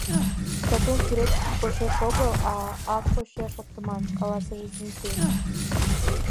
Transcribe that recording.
— Сатум сӱрет почеш огыл, а ак почеш оптыман, — каласыш Зимпель.